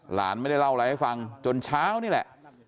หลานไม่ได้เล่าอะไรให้ฟังจนเช้านี่แหละ